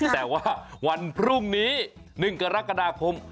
แต่ว่าวันพรุ่งนี้๑กรกฎาคม